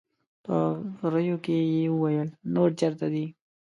په غريو کې يې وويل: نور چېرته دي؟